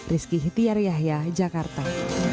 rizki hityar yahya jakarta